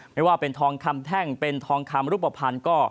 ไม่ว่าเป็นทองคำแท่งเป็นทองคำรูปภัณฑ์ก็